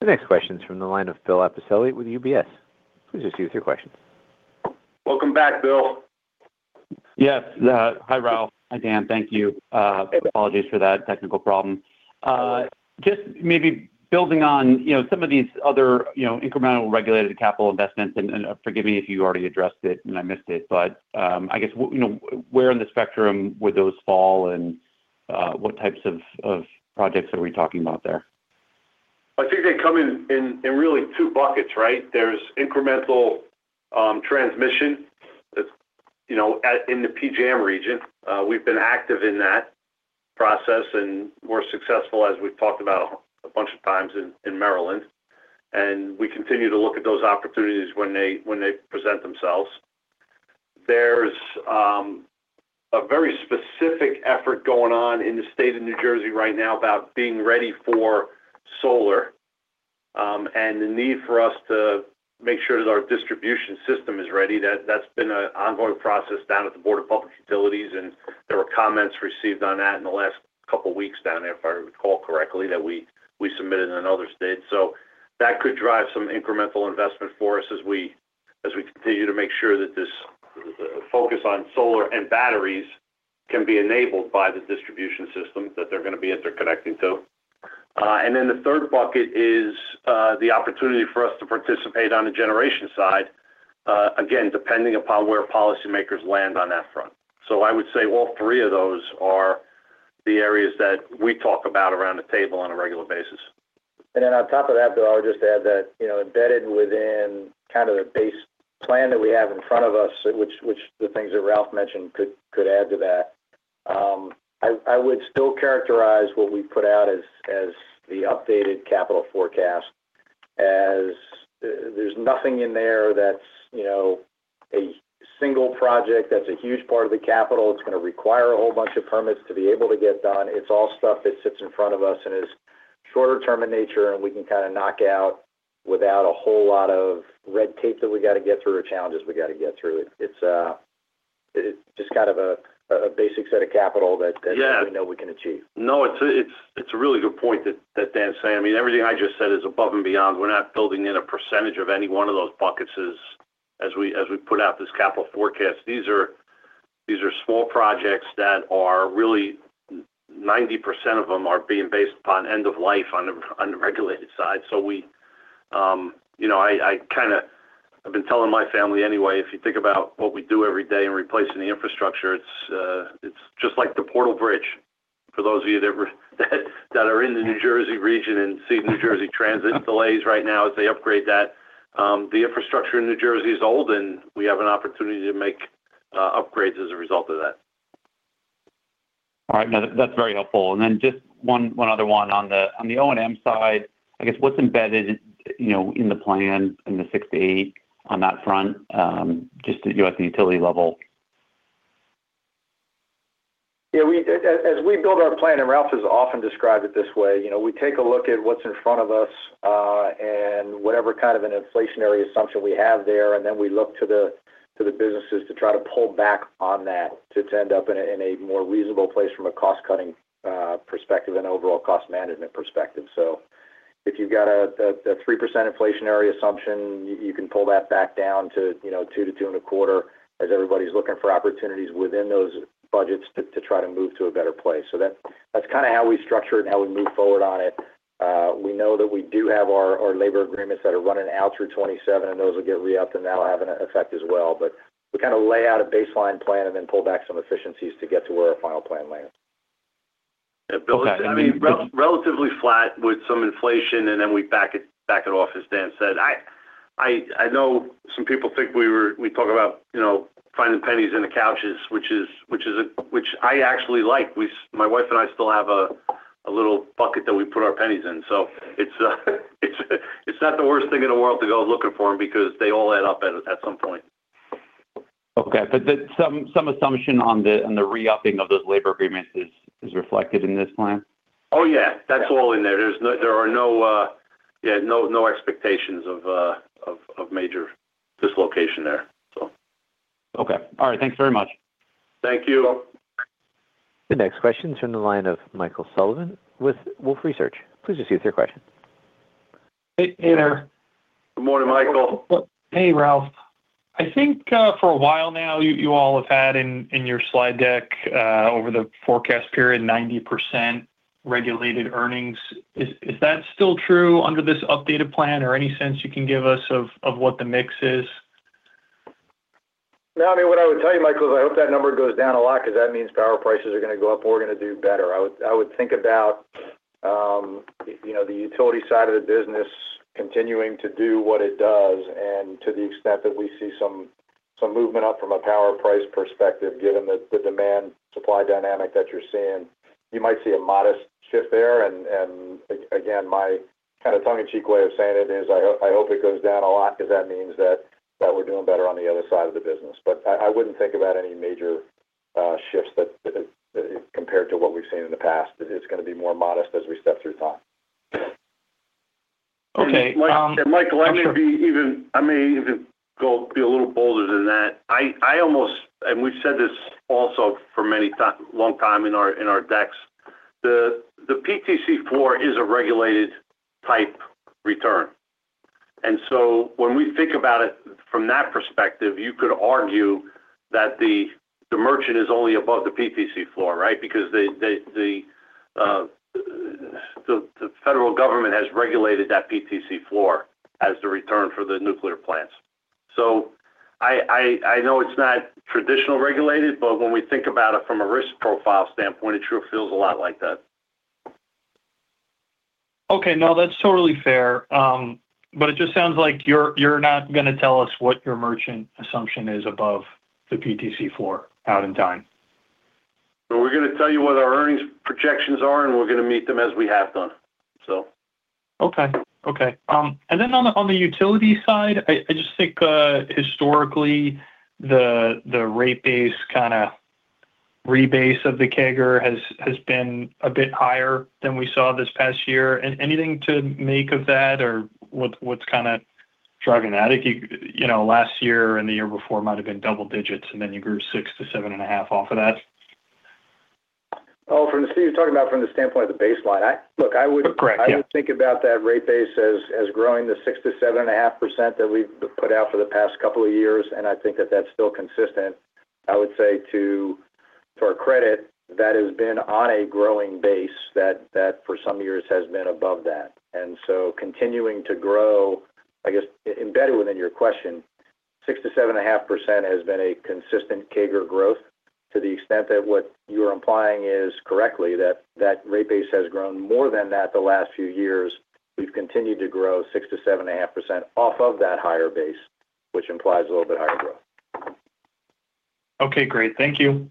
The next question is from the line of Bill Appicelli with UBS. Please just use your question. Welcome back, Bill. Yes. Hi, Ralph. Hi, Dan. Thank you. Apologies for that technical problem. Just maybe building on, you know, some of these other, you know, incremental regulated capital investments, and forgive me if you already addressed it and I missed it, but, I guess, you know, where in the spectrum would those fall and, what types of projects are we talking about there? I think they come in really two buckets, right? There's incremental transmission that's, you know, in the PJM region. We've been active in that process, and we're successful, as we've talked about a bunch of times in Maryland, and we continue to look at those opportunities when they present themselves. There's a very specific effort going on in the state of New Jersey right now about being ready for solar, and the need for us to make sure that our distribution system is ready. That's been an ongoing process down at the Board of Public Utilities, and there were comments received on that in the last couple of weeks down there, if I recall correctly, that we submitted in another state. That could drive some incremental investment for us as we, as we continue to make sure that this focus on solar and batteries can be enabled by the distribution system, that they're going to be as they're connecting to. The third bucket is the opportunity for us to participate on the generation side, again, depending upon where policymakers land on that front. I would say all three of those are the areas that we talk about around the table on a regular basis. On top of that, though, I would just add that, you know, embedded within kind of the base plan that we have in front of us, which the things that Ralph mentioned could add to that, I would still characterize what we put out as the updated capital forecast, as there's nothing in there that's, you know, a single project that's a huge part of the capital. It's going to require a whole bunch of permits to be able to get done. It's all stuff that sits in front of us and is shorter term in nature, and we can kind of knock out without a whole lot of red tape that we got to get through, or challenges we got to get through. It's just kind of a basic set of capital that. Yeah we know we can achieve. No, it's a really good point that Dan's saying. I mean, everything I just said is above and beyond. We're not building in a percentage of any one of those buckets as we put out this capital forecast. These are small projects that are really 90% of them are being based upon end of life on the regulated side. We, you know, I've been telling my family anyway, if you think about what we do every day in replacing the infrastructure, it's just like the Portal Bridge. For those of you that are in the New Jersey region and see NJ Transit delays right now as they upgrade that, the infrastructure in New Jersey is old, and we have an opportunity to make upgrades as a result of that. All right. No, that's very helpful. Just one other one on the O&M side, I guess, what's embedded, you know, in the plan, in the 6-8 on that front, just at you, at the utility level? As we build our plan, Ralph has often described it this way, you know, we take a look at what's in front of us, and whatever kind of an inflationary assumption we have there. Then we look to the businesses to try to pull back on that, to end up in a more reasonable place from a cost-cutting perspective and overall cost management perspective. If you've got a 3% inflationary assumption, you can pull that back down to, you know, 2 to 2.25 as everybody's looking for opportunities within those budgets to try to move to a better place. That's kind of how we structure it and how we move forward on it. We know that we do have our labor agreements that are running out through 27, and those will get re-upped, and that will have an effect as well. We kind of lay out a baseline plan and then pull back some efficiencies to get to where our final plan lands. Yeah, Bill, I mean, relatively flat with some inflation. Then we back it off, as Dan said. I know some people think we talk about, you know, finding pennies in the couches, which is a which I actually like. My wife and I still have a little bucket that we put our pennies in. It's not the worst thing in the world to go looking for them because they all add up at some point. Okay. The some assumption on the re-upping of those labor agreements is reflected in this plan? Oh, yeah. That's all in there. There are no, yeah, no expectations of major dislocation there, so. Okay. All right. Thanks very much. Thank you. The next question is from the line of Michael Sullivan with Wolfe Research. Please just use your question. Hey, hey there. Good morning, Michael. Hey, Ralph. I think, for a while now, you all have had in your slide deck, over the forecast period, 90%.... regulated earnings. Is that still true under this updated plan? Or any sense you can give us of what the mix is? No, I mean, what I would tell you, Michael, is I hope that number goes down a lot because that means power prices are going to go up, and we're going to do better. I would think about, you know, the utility side of the business continuing to do what it does, and to the extent that we see some movement up from a power price perspective, given the demand-supply dynamic that you're seeing, you might see a modest shift there. Again, my kind of tongue-in-cheek way of saying it is I hope it goes down a lot because that means that we're doing better on the other side of the business. I wouldn't think about any major shifts that compared to what we've seen in the past. It's going to be more modest as we step through time. Okay. Michael, I may even go be a little bolder than that. I almost-- We've said this also for many time, long time in our, in our decks. The PTC floor is a regulated-type return. When we think about it from that perspective, you could argue that the merchant is only above the PTC floor, right? Because the federal government has regulated that PTC floor as the return for the nuclear plants. I know it's not traditional regulated, but when we think about it from a risk profile standpoint, it sure feels a lot like that. Okay, no, that's totally fair. It just sounds like you're not going to tell us what your merchant assumption is above the PTC floor out in time. We're going to tell you what our earnings projections are, and we're going to meet them as we have done, so. Okay. Okay. Then on the utility side, I just think, historically, the rate base kind of rebase of the CAGR has been a bit higher than we saw this past year. Anything to make of that or what's kind of driving that? You know, last year and the year before might have been double digits, then you grew 6% to 7.5% off of that. Oh, Steve, you're talking about from the standpoint of the baseline. Look, I would. Correct, yeah. I would think about that rate base as growing the 6%-7.5% that we've put out for the past couple of years, and I think that that's still consistent. I would say to our credit, that has been on a growing base that for some years has been above that. Continuing to grow, I guess, embedded within your question, 6%-7.5% has been a consistent CAGR growth to the extent that what you're implying is correctly, that rate base has grown more than that the last few years. We've continued to grow 6%-7.5% off of that higher base, which implies a little bit higher growth. Okay, great. Thank you.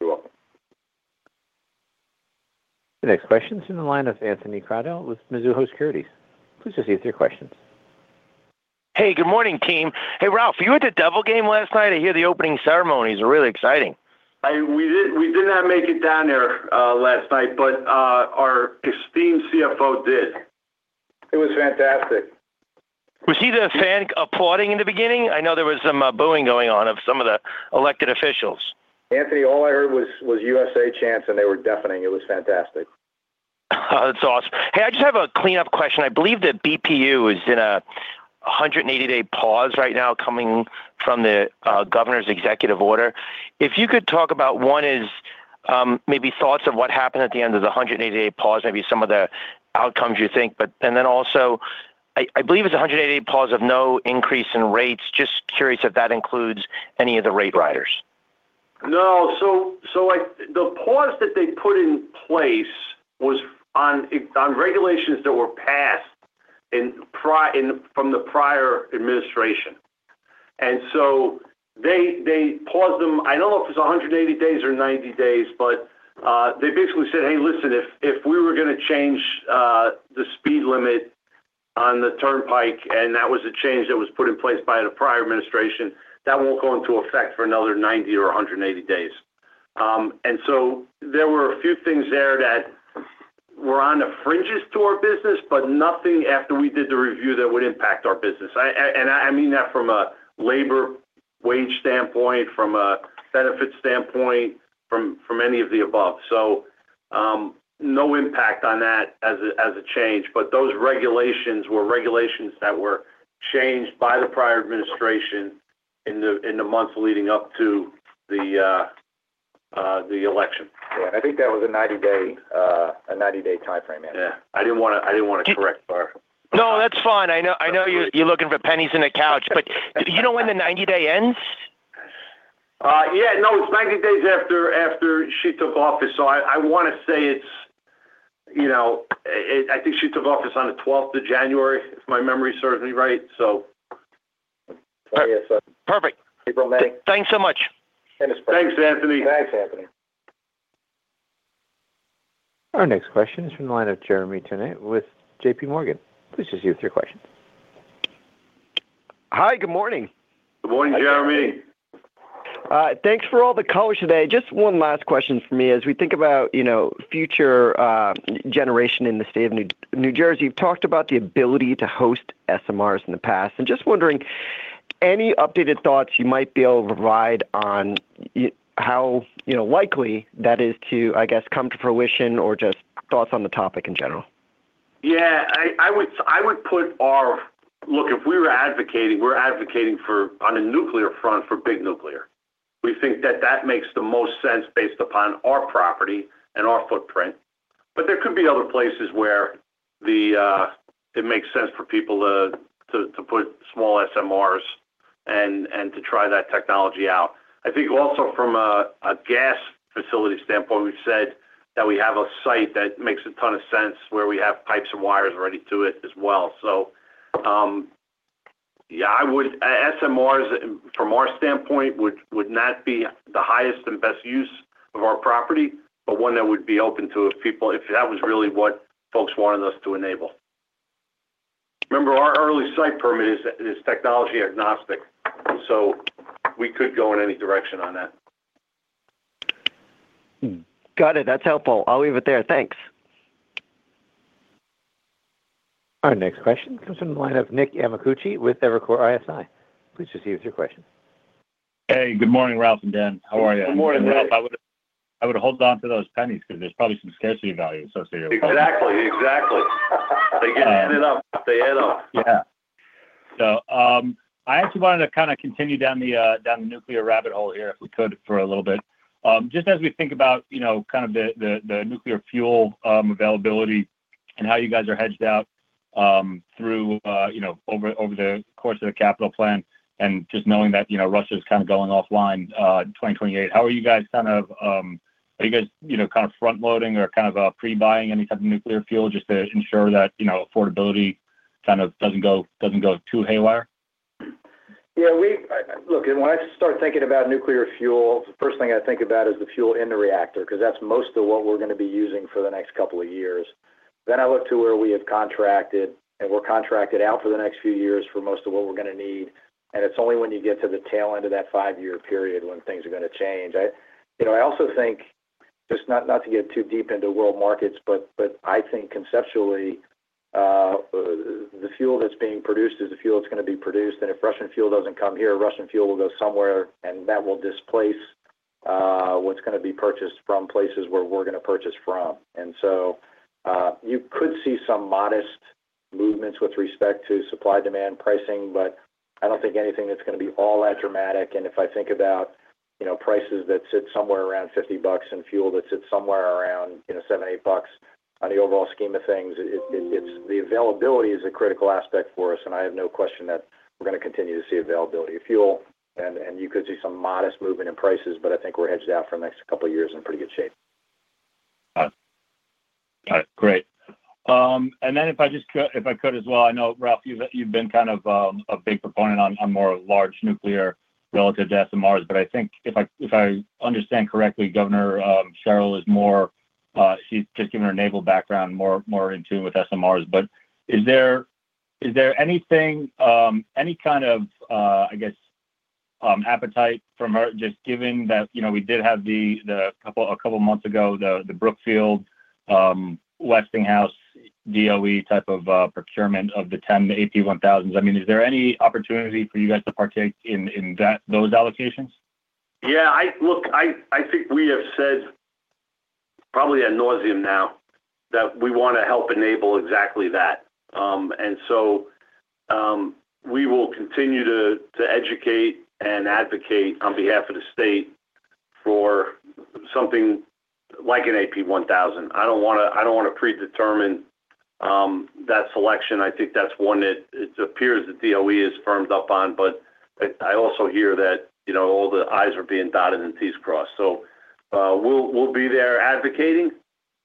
You're welcome. The next question is in the line of Anthony Crowdell with Mizuho Securities. Please just give us your questions. Hey, good morning, team. Hey, Ralph, were you at the Devil game last night? I hear the opening ceremonies are really exciting. We did not make it down there last night, but our esteemed CFO did. It was fantastic. Was he the fan applauding in the beginning? I know there was some booing going on of some of the elected officials. Anthony, all I heard was USA chants, and they were deafening. It was fantastic. That's awesome. Hey, I just have a cleanup question. I believe that BPU is in a 180-day pause right now, coming from the governor's executive order. If you could talk about, one is, maybe thoughts of what happened at the end of the 180-day pause, maybe some of the outcomes you think. I believe it's a 180-day pause of no increase in rates. Just curious if that includes any of the rate riders. No. The pause that they put in place was on regulations that were passed from the prior administration. They paused them. I don't know if it's 180 days or 90 days, but they basically said, "Hey, listen, if we were going to change the speed limit on the turnpike, and that was a change that was put in place by the prior administration, that won't go into effect for another 90 or 180 days." There were a few things there that were on the fringes to our business, but nothing after we did the review that would impact our business. I mean that from a labor wage standpoint, from a benefit standpoint, from any of the above. No impact on that as a change, but those regulations were regulations that were changed by the prior administration in the months leading up to the election. Yeah, I think that was a 90-day time frame, Anthony. Yeah. I didn't want to correct Dan. No, that's fine. I know, I know you're looking for pennies in the couch, but do you know when the 90-day ends? Yeah, no, it's 90 days after she took office, so I want to say it's, you know. I think she took office on the 12th of January, if my memory serves me right. Oh, yes, sir. Perfect. April maybe. Thanks so much. Thanks, Anthony. Our next question is from the line of Jeremy Tonet with J.P. Morgan. Please just give us your question. Hi, good morning. Good morning, Jeremy. Thanks for all the color today. Just one last question for me. As we think about, you know, future generation in the state of New Jersey, you've talked about the ability to host SMRs in the past. I'm just wondering, any updated thoughts you might be able to provide on how, you know, likely that is to, I guess, come to fruition or just thoughts on the topic in general? I would put our look, if we were advocating, we're advocating for, on a nuclear front, for big nuclear. We think that that makes the most sense based upon our property and our footprint. There could be other places where the it makes sense for people to put small SMRs and to try that technology out. I think also from a gas facility standpoint, we've said that we have a site that makes a ton of sense, where we have pipes and wires already to it as well. SMRs, from our standpoint, would not be the highest and best use of our property, but one that would be open to if people, if that was really what folks wanted us to enable. Remember, our Early Site Permit is technology agnostic, so we could go in any direction on that. Got it. That's helpful. I'll leave it there. Thanks. Our next question comes from the line of Nick Amicucci with Evercore ISI. Please just give us your question. Hey, good morning, Ralph and Dan. How are you? Good morning, Nick. I would hold on to those pennies because there's probably some scarcity value associated with them. Exactly. They add it up. They add up. Yeah. I actually wanted to kinda continue down the nuclear rabbit hole here, if we could, for a little bit. Just as we think about, you know, kind of the, the nuclear fuel, availability and how you guys are hedged out, through, you know, over the course of the capital plan, and just knowing that, you know, Russia is kind of going offline, in 2028. Are you guys, you know, kind of front-loading or kind of, pre-buying any type of nuclear fuel just to ensure that, you know, affordability kind of doesn't go too haywire? Yeah, look, when I start thinking about nuclear fuel, the first thing I think about is the fuel in the reactor, 'cause that's most of what we're gonna be using for the next couple of years. I look to where we have contracted. We're contracted out for the next few years for most of what we're gonna need. It's only when you get to the tail end of that 5-year period when things are gonna change. I, you know, I also think, just not to get too deep into world markets, but I think conceptually, the fuel that's being produced is the fuel that's gonna be produced. If Russian fuel doesn't come here, Russian fuel will go somewhere. That will displace what's gonna be purchased from places where we're gonna purchase from. You could see some modest movements with respect to supply-demand pricing, but I don't think anything that's gonna be all that dramatic. If I think about, you know, prices that sit somewhere around $50 and fuel that sits somewhere around, you know, $7, $8 on the overall scheme of things, it's the availability is a critical aspect for us, and I have no question that we're gonna continue to see availability of fuel, and you could see some modest movement in prices, but I think we're hedged out for the next couple of years in pretty good shape. All right, great. If I just could, if I could as well, I know, Ralph, you've been kind of, a big proponent on more large nuclear relative to SMRs, I think if I, if I understand correctly, Governor Sherrill is more, she's, just given her naval background, more, more in tune with SMRs. Is there, is there anything, any kind of, I guess, appetite from her, just given that, you know, we did have a couple of months ago, the Brookfield, Westinghouse, DOE type of, procurement of the 10 AP1000s? I mean, is there any opportunity for you guys to partake in that, those allocations? Yeah, I think we have said probably ad nauseam now that we want to help enable exactly that. We will continue to educate and advocate on behalf of the state for something like an AP1000. I don't wanna predetermine that selection. I think that's one that it appears the DOE is firmed up on, but I also hear that, you know, all the i's are being dotted and t's crossed. We'll be there advocating,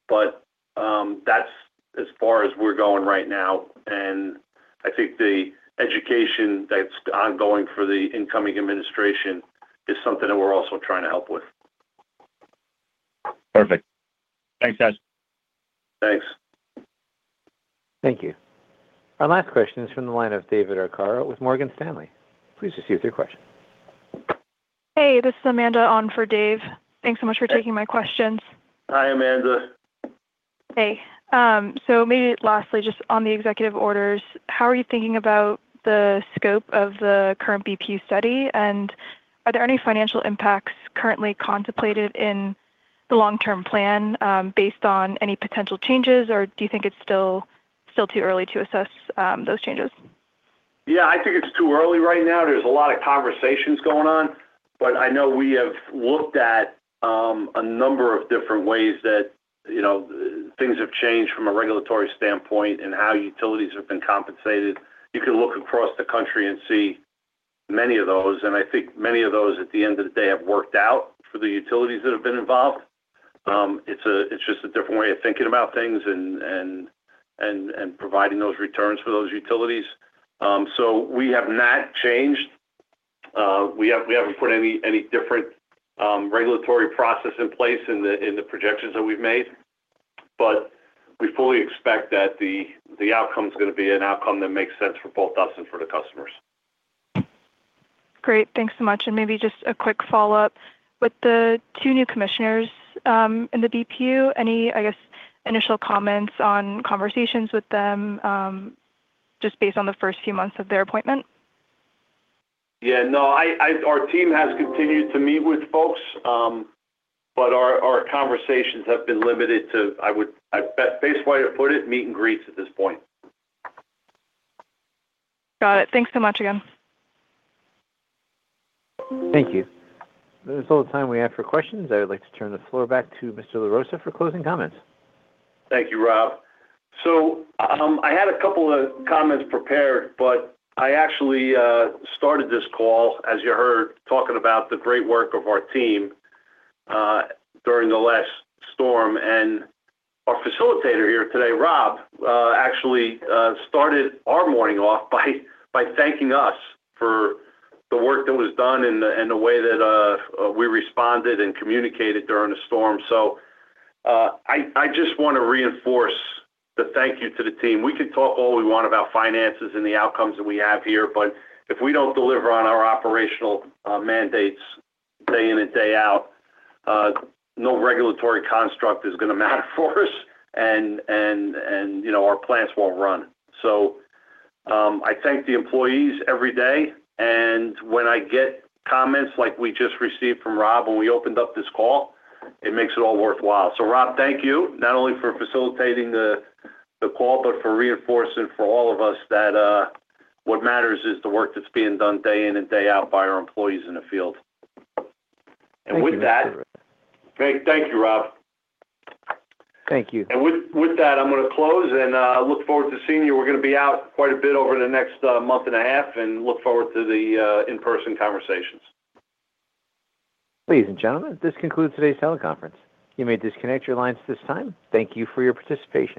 but that's as far as we're going right now. I think the education that's ongoing for the incoming administration is something that we're also trying to help with. Perfect. Thanks, guys. Thanks. Thank you. Our last question is from the line of David Arcaro with Morgan Stanley. Please just give us your question. Hey, this is Amanda on for Dave. Thanks so much for taking my questions. Hi, Amanda. Hey, maybe lastly, just on the executive orders, how are you thinking about the scope of the current BPU study, and are there any financial impacts currently contemplated in the long-term plan, based on any potential changes, or do you think it's still too early to assess, those changes? Yeah, I think it's too early right now. There's a lot of conversations going on. I know we have looked at a number of different ways that, you know, things have changed from a regulatory standpoint and how utilities have been compensated. You can look across the country and see many of those. I think many of those, at the end of the day, have worked out for the utilities that have been involved. It's a, it's just a different way of thinking about things and providing those returns for those utilities. We have not changed. We haven't put any different regulatory process in place in the projections that we've made, but we fully expect that the outcome is gonna be an outcome that makes sense for both us and for the customers. Great. Thanks so much. Maybe just a quick follow-up: With the two new commissioners, in the BPU, any, I guess, initial comments on conversations with them, just based on the first few months of their appointment? Yeah, no, I our team has continued to meet with folks, but our conversations have been limited to, best way to put it, meet and greets at this point. Got it. Thanks so much again. Thank you. That's all the time we have for questions. I would like to turn the floor back to Mr. LaRossa for closing comments. Thank you, Rob. I had a couple of comments prepared, but I actually started this call, as you heard, talking about the great work of our team during the last storm. Our facilitator here today, Rob, actually started our morning off by thanking us for the work that was done and the way that we responded and communicated during the storm. I just want to reinforce the thank you to the team. We can talk all we want about finances and the outcomes that we have here, but if we don't deliver on our operational mandates day in and day out, no regulatory construct is gonna matter for us, and, you know, our plants won't run. I thank the employees every day, and when I get comments like we just received from Rob when we opened up this call, it makes it all worthwhile. Rob, thank you, not only for facilitating the call, but for reinforcing for all of us that what matters is the work that's being done day in and day out by our employees in the field. With that. Thank you, Rob. Thank you. With that, I'm gonna close, and I look forward to seeing you. We're gonna be out quite a bit over the next month and a half and look forward to the in-person conversations. Ladies and gentlemen, this concludes today's teleconference. You may disconnect your lines at this time. Thank you for your participation.